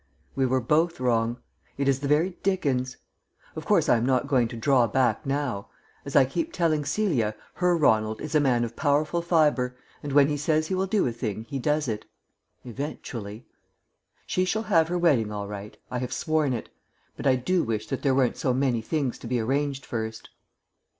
We were both wrong; it is the very dickens. Of course, I am not going to draw back now. As I keep telling Celia, her Ronald is a man of powerful fibre, and when he says he will do a thing he does it eventually. She shall have her wedding all right; I have sworn it. But I do wish that there weren't so many things to be arranged first.